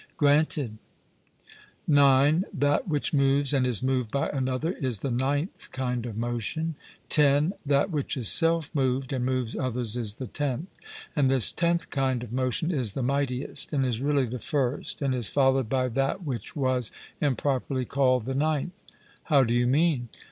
'Granted.' (9) That which moves and is moved by another is the ninth kind of motion; (10) that which is self moved and moves others is the tenth. And this tenth kind of motion is the mightiest, and is really the first, and is followed by that which was improperly called the ninth. 'How do you mean?'